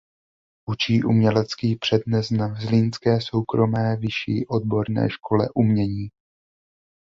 Učí umělecký přednes na Zlínské soukromé vyšší odborné škole umění.